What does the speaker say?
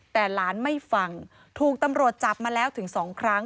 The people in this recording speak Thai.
แต่หลานไม่ฟังถูกตำรวจจับมาแล้วถึง๒ครั้ง